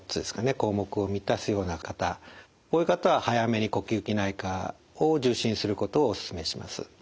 項目を満たすような方こういう方は早めに呼吸器内科を受診することをおすすめします。